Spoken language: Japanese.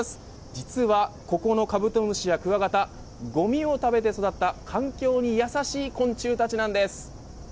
実はここのカブトムシやクワガタごみを食べて育った環境に優しい昆虫たちなんです。